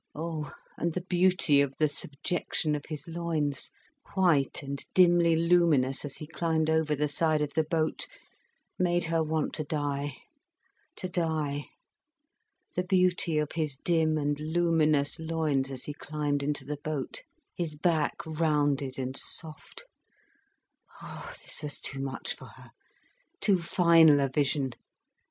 Oh, and the beauty of the subjection of his loins, white and dimly luminous as he climbed over the side of the boat, made her want to die, to die. The beauty of his dim and luminous loins as he climbed into the boat, his back rounded and soft—ah, this was too much for her, too final a vision.